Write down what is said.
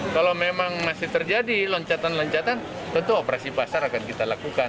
kalau memang masih terjadi loncatan loncatan tentu operasi pasar akan kita lakukan